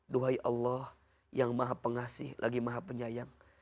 duhai allah yang maha pengasih lagi maha penyayang